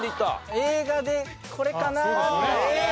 映画でこれかなって。